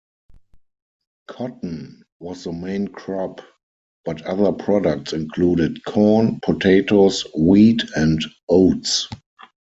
Cotton was the main crop, but other products included corn, potatoes, wheat, and oats.